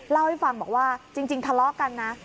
เล่าให้ฟังบอกว่าจริงทะเลาะกันนะ